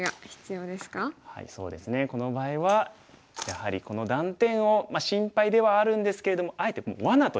そうですねこの場合はやはりこの断点をまあ心配ではあるんですけれどもあえてもうわなとして。